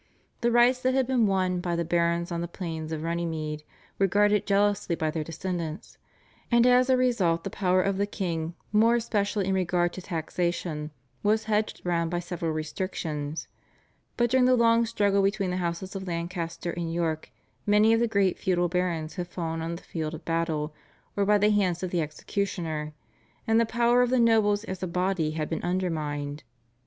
The rights that had been won by the barons on the plains of Runnymede were guarded jealously by their descendants, and as a result the power of the king, more especially in regard to taxation, was hedged round by several restrictions. But during the long struggle between the houses of Lancaster and York many of the great feudal barons had fallen on the field of battle or by the hands of the executioner, and the power of the nobles as a body had been undermined.